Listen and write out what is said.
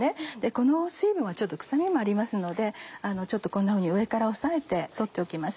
この水分はちょっと臭みもありますのでこんなふうに上から押さえて取っておきます。